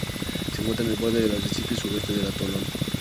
Se encuentra en el borde del arrecife suroeste del atolón.